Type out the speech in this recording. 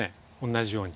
同じように。